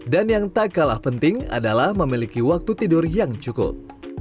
dan yang tak kalah penting adalah memiliki waktu tidur yang cukup